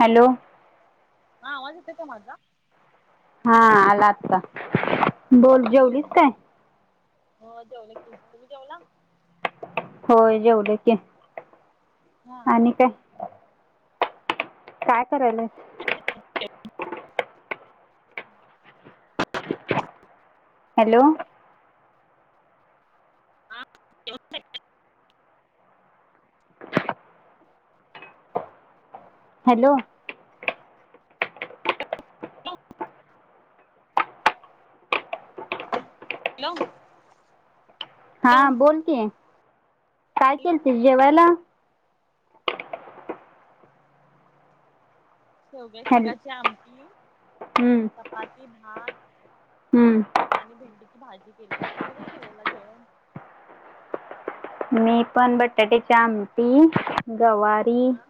Hello? हा आवाज येतोय का माझा? हा, आला आता. बोल जेवलीस हं. काय हो, जेवलो की, तुम्ही जेवला? होय जेवल की, हा. आणि काय? काय करायल? [unintelligible] हॅलो? [unintelligible] हॅलो? हॅलो. हा, हॅलो. बोल कि, काय केलतीस जेवायला? शेवग्याच्या हॅलो शेंगाची आमटी- [inaudible] चपाती, भात हम्म आणि भेंडीची भाजी केलेली तुम्ही काय केलेला जेवण? मी पण बटाट्याची आमटी, गवारी- हा.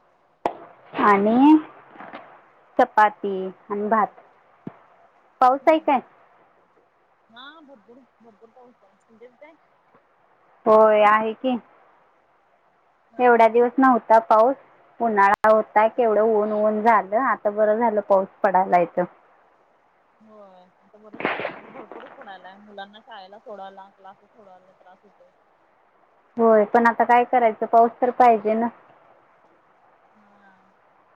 आणि चपाती आणि भात. पाऊस आहे हम्म कायं? हा भरपूर पाऊस आहे. होय आहे की. हा. एवढ्या दिवस नव्हता पाऊसं उन्हाळा होता हा. केवढं ऊन ऊन झालं. बरं झालं पाऊस पडायला इथं. होय. आता बरं झालं खर भरपूरचं पडायलायं मुलांना शाळेला सोडायला क्लास सोडायला त्रास होतंय. होय पण आता काय करायचं पाऊस तर पाहिजे ना. हा. [inaudible]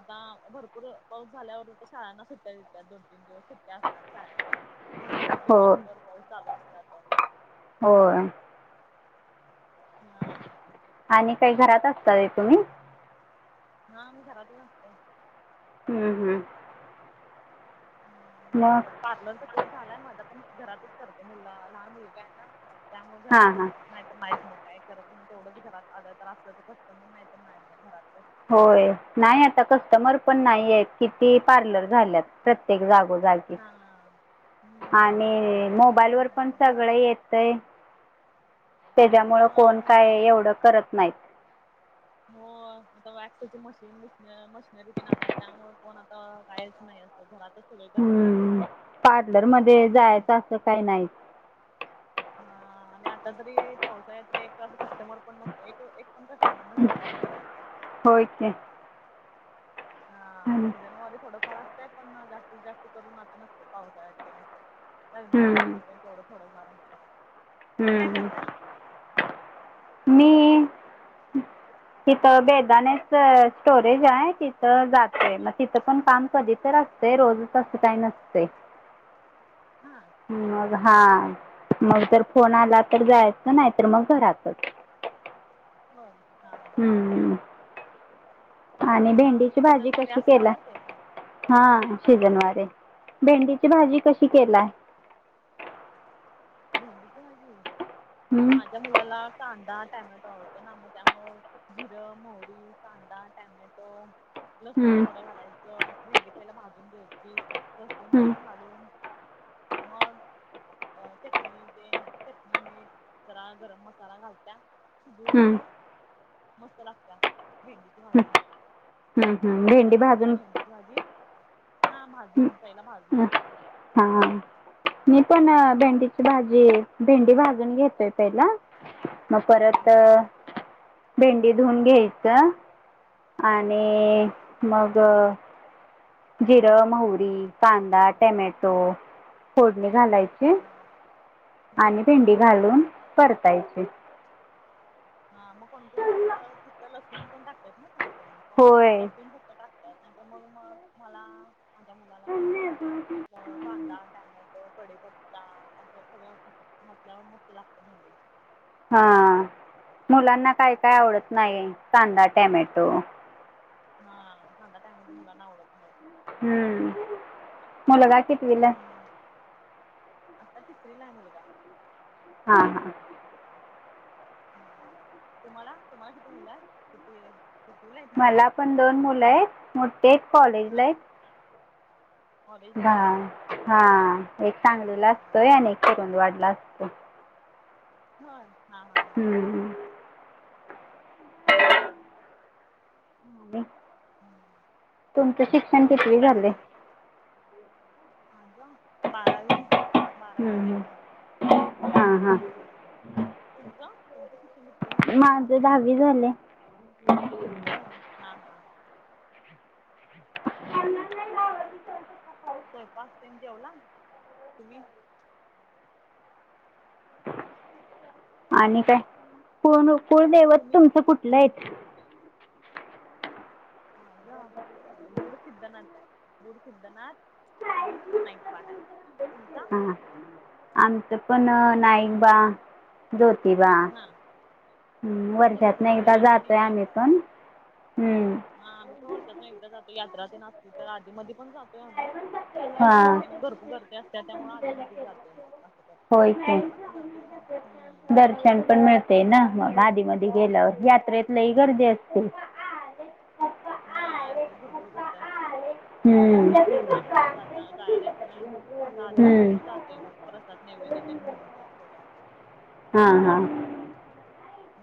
आता भरपूर पाऊस झाल्यावर शाळांना सुट्ट्या देतात दोन तीन दिवस सुट्ट्या असतात. ह. भरपूर दिवसभर पाऊस चालू असला तर होय. हां. आणि काय घरातं असतोय तुम्ही? हा आम्ही घरातचं असतोयं. हम्म हम्म. ह म्हणजे मग पार्लरचा कोर्स झालायं माझा पण घरातचं करते लहान मुलगा आहे ना. त्यामुळे हां घरातचं हां हाय. तर नाहीच मग काय कराचं तेवढंच घरात आल्या तर असल्याचं कस्टमर नाही तर नाही मग घरातचं. होय नाही आता कस्टमर पण नाही आहेत किती पार्लर झाल्यातं. एक जागो जागी हा हम्म आणि त्यामुळे मोबाईल एवढं वर नाही पण मग सगळं घरातच येतं. ते त्याच्यामुळे ह कोण काय मोबाईल एवढं करत नाहीत. हो आता वक्सची मशीन मशिनरी ते आल्या त्यामुळे पण आता काहीयचं नाही. घरातचं सगळ. हम्म पार्लर मध्ये जायचं असं काय नाही. हा आणि आता जरी पावसाळ्यात तर एक अस कस्टमर पण नसतं एक पण. पाऊस झानंतर [inaudible] होय ते. हा सीझनवारी थोडंफार असतंय पण जास्तीत जास्ती करून आता नसत पावसाळ्यात नसते. लग्नाच्या हं. टाईमला तेवढं थोडं फार असतं तुम्ही काय हं. करता? मी तिथं बेदानेच स्टोरेज आहे तिथं जातोय मग तिथं पण काम कधी तर असतं. ते रोजचं असं काही नसते मग हा. मंग फोन आला तर जायचं नाही तर मंग घरातच. होय हा. हा हम्म. आणि ते काम भेंडीची सीझन भाजी वारी कशी असणार केली ना ते पण हा हा सिजन वारे. भेंडीची भाजी कशी केलाय? भेंडीची भाजी हम्म माझ्या मुलाला कांदा टॅमॅटो आवडतो ना मग त्यामुळ. जिरं मोहरी कांदा टॅमॅटो लसूण हम्म थोडं घालायचं. भेंडी पहिला भाजून घ्यायची लसून हम्म तेन घालून. मग च. चटणी ते चटणी मीठ जरा गरम मसाला घालत शिधून हम्म मग मस्त लागत भेंडीची हम्म भाजी. हम्म हम्म. तुम्ही कस भेंडी भाजून करताय भेंडीची भाजी हा भाजून पहिला भाजून. ह हा, मी पण अ भेंडीची भाजी भेंडी भाजून घेतोय पहिला. मग परत हा भेंडी धुऊून घ्यायच. हा आणि मंग. जिरं मोहरी कांदा टॅमोटो फोडणी घालायची. हा, हा आणि भेंडी घालून परतायची. हा मग कोण कोण फक्त नुसतं लसूण पण टाकतात ना कोणकणण होय लसून फक्त टाक''--'' नाहीतर मग मग मला माझ्या मुलाला त्यांना अस म्हणजे कांदा टमॅटो. कडेपत्ता असं सगळं घातल्यावर मस्त लागतं भेंडी. हा मुलांना काय काय आवडत नाही कांदा टॅमॅटो. हा कांदा टोमॅटो मुला नावडत. नाही. हं. मुलगा कितवीला आता तिसरीला आहे मुलगा. ''हां'' हां'' हा तुम्हाला तुम्हाला किती मुलं किती हाईत. मला पण दोन मुलं आहेत मोठे कॉलेज ला आहे. कॉलेज आहेत काय. हा एक हा सांगलीला हा हा असतोय आणि एक कुरुंद वाढला असतो. होय हा हा. हम्म. [inaudible] हम्म. तुमचं शिक्षण किकवी झालं. माझ बारावी बारावी झाले की. हा हा, तुमचं तुमचं शिक्षण कितवी झालं. आहे माझं दहावी झालंय. होय हा हा हा. स्वयंपाक तेन जेवला. आणि काय कुळ कुळदैवत तुम्ही तुमचं कुठलं आहे. माझ गुड सिद्धनाथ आहे गुड सिद्धनाथ. आणि नाईक बा हाय. हा आमचं पण नाईकबा ज्योतिबा. हां ''हं आमचा मूळ ''वर्षातून एकदा सिद्धनाथ आणि जातो आहे आम्ही पण हम्म. हा आम्ही पण वर्षातून एकदा जातो यात्रा ते नसते तर आधी मध्ये पण जातो. तोय आम्ही यात्र हां घरपू घरते असते त्यामुळे आधी मध्येच जातोय मग असं करत. होय की यात्रेला पण जातोय आम्ही. दर्शन पण मिळतंय. ते ना मग आधी म गेल्यावर यात्रेतलाही गर्दी असते. हा यात्रेत भरपूर गर्दी असत हं, त्यामुळे यात्रेत नाही भेटत जात जायला येत नाही. मा आधी मध्ये हं, मग जातोय मग परसात नैववेद त्यांनी घेऊन त्या सगळं अस. ''हां'' हां''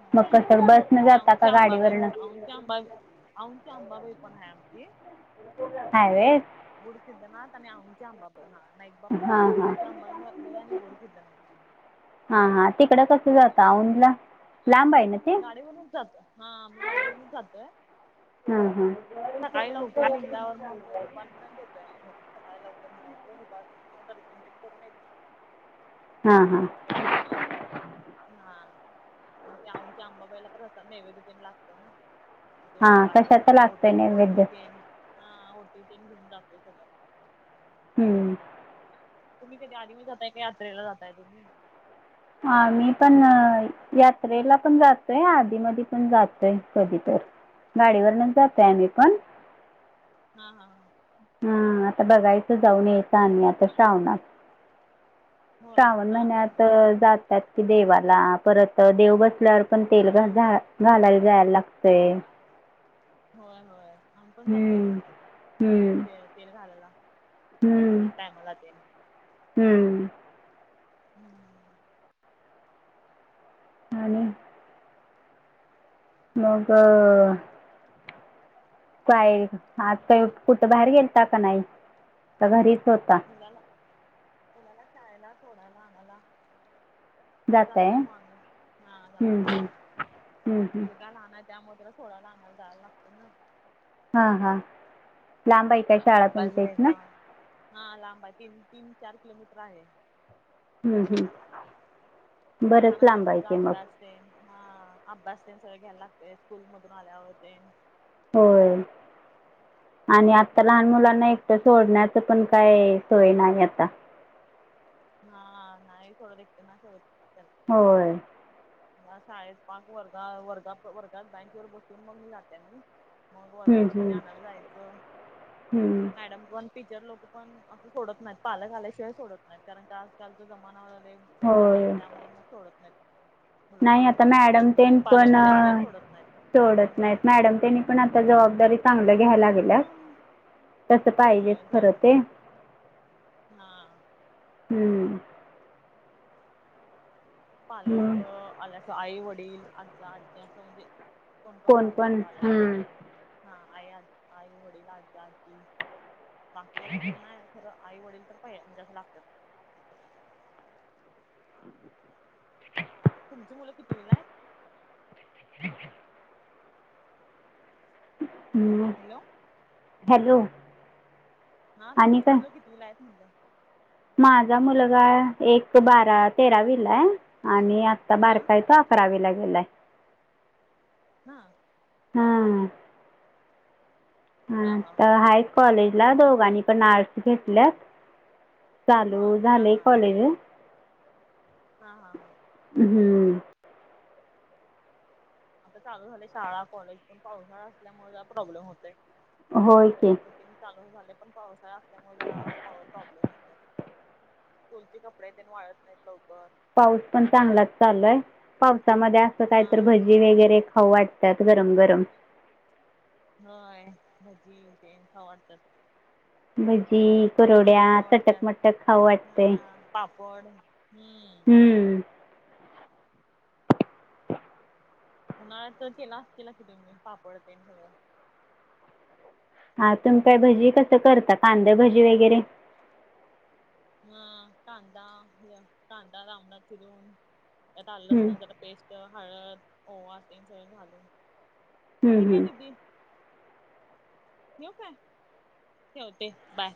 हा मग कसं बसनं आणि जाता का आउच्या अंबाबाई गाडीवरनं अउच्या अंबाबाई. आउची अंबाबाई पण आहे आमची. [unintelligible] गुढी सिद्धनाथ आणि आमचे आंबाबाई हा नाईकबा पण आहे हा तर हा आची आंबाई आणि गुढी सिद्धनाथ आहे. हा हा तिकड कसं जातं औंधला लांब आहे ना ते गाडीवरूनच जातो हा मी गाडीवरूनच जातोय. हां हां सकाळी लवकर निघाल्यावर मग दूपार र्यंत येतो आम्ही घरी सकाळी लवकर निघायचो दुपारपासून नऊ तर् करून येतो. हां हां हा मग त्या आऊच्या आंबाबाईला प्रसा नैवेदतेन लागते ना. ते हां झपाट कशाचं ते लागतं आहे ओटी ओटी नैवेद्य तेन हा ओटी तेन घेऊन जातोय सगळं. हम्म. तुम्ही कधी आधी मधी जाताय का यात्रेला जाताय? हा मी पण यात्रेला पण जातोय आधी मध पण जातोय कधी तर गाडीवरन जातोय हा आम्ही पण हा हा हा हम् आता बघायचं जाऊन येतं आम्ही आता श्रावणात. होय श्रावण हा हा महिन्यात हा जातात कि देवाला परत देव बसल्यावर पण तेल घ हा घालायला जायला तेल लागतय. होय होय आ पण जातोय. तेल घालला दसऱ्याच्या टायमाला तेन. हम्म [unintelligible] [unintelligible] मग काय आज काही कुठं बाहेर गेलता का नाही तर घरीच होता. मुलाला मुलाला शाळेला सोडायला आणायला. जाताय जातय मॉर्नि हा हं जातोय हं हं हं मुलगा लहान त्यामुळ त्याला सोडायाला आणायला जायला लागते ना. हा हा लांब हाय काय? शाळा अभयास तुमच्या इथनं घ्यायचा हा लांबा तीन तीन चार किलोमीटर आहे. हम्म हम् लहान बरंच लांब असल्यामुळे आहे त्याचा की मग. अभ्यास हा अभ्यास तेन सगळे घ्यायला लागते स्कूल मधून आल्यावरते होय आणि आता लहान मुलांना एकटं सोडण्यात पण काय सोय नाही आता. हा नाही सोडंत एकट नाय सोडत होय या शाळेत पाच वर्गा वर्गा वर्गात बँच वर बसून मग जाते मी मग हं परत हं आणि आणायला जायचं हं मॅडम पण टीचर लोक पण असं सोडत नाहीत पालक आल्याशिवाय सोडत नाहीत कारण क आजकालच्या जमान बेकार आहे ना होय त्यामुळे मग सोडत नाही. नाही आता मॅडम त्यांनी पालक पण आल्याशिवाय सोडत नाहीत सोडत नाहीत हम्म मॅडम त्यांनी पण आता जबाबदारी चांगलं घ्यायला तस पाहिजे होय खर जबाबदारी ते हा हम् पालक मग आल्याचं आई वडील आज्जा आज्जी असं म्हणजे कोण कोण पण चालत्यात आलं तर हम्म हा आई आ आई वडील आज्जा आज्जी बाकी एवढं कोण नाहीये खरं आई वडील तर पाहि म्हणजे असं लागत्यात. तुमची मुलं कितवीला आहेत? हां [inaudible] ह [inaudible] हॅलो- हॅलो हा आणि तुमची काय मुलं कितीवीला आहेत म्हटलं? माझा मुलगा एक बारा तेरावीला आहे आणि आता हा बारका आहे तो आक करावीला गेलाय हा हम्म हा हम हा हा आहेत काॅलेजला दोंघानी पण आर्ट्स घेतल्यात. होय चालू हा झालय हा कॉलेजं हा हा हम्म आता चालू झालेय शाळा कॉलेज पण पावसाळा असल्यामुळे जरा प्रॉब्लेम होतय. होय की रुटींग चालू झालय पण पावसाळा असल्यामुळ जरा पाव प्रॉब्लेम होतय. स्कूलची कपडे तेन वाळत नाहीत लवकर पाऊस पण चांगलाच चालू आहे पावसामध्ये असं काय तरी हा भजी वगैरे खाऊ वाटत्यात गरम गरम होय भजी तेन खाऊ वाटत्यात भजी भजी कुरवड्या खाऊ वाटतात चटकमटक खाऊ वाटतय हा पापड हम्म हम्म उन्हाळ्याच केलं अशीला कि तुम्ही पापड तेन सगळं हा तुम्ही काय भजी कस करतात? कांद्या भजी वगैरे ह कांदा हे कांदा लांबडा चिरून त्यात आलं हम्म. लसणाची जरा पेस्ट हळद ओवा तेन सगळं घालून हम्म ठीक आहे हम्म. दिदी ठेवू काय? ठेवते बाय